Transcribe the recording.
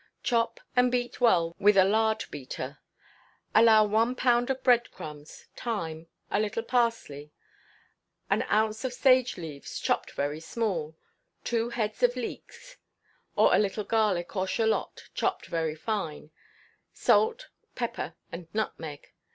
Chop and beat well with a lard beater. Allow one pound of bread crumbs, thyme, a little parsley; an ounce of sage leaves, chopped very small; two heads of leeks, or a little garlic, or shalot, chopped very fine; salt, pepper, and nutmeg.